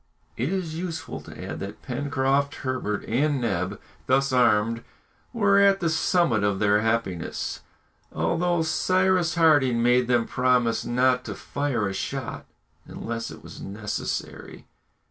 It is useless to add that Pencroft, Herbert, and Neb, thus armed, were at the summit of their happiness, although Cyrus Harding made them promise not to fire a shot unless it was necessary.